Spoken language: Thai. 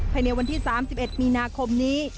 ภายในวันที่๓๑มีนาคมนี้